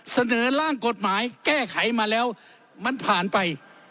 เสนอร่างกฎหมายแก้ไขมาแล้วมันผ่านไป